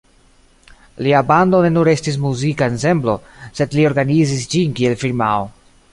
Lia bando ne nur estis muzika ensemblo, sed li organizis ĝin kiel firmao.